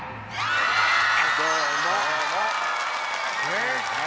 ねっ！